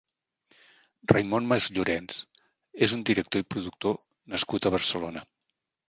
Raimon Masllorens és un director i productor nascut a Barcelona.